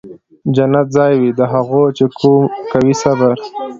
جنت ځای وي د هغو چي کوي صبر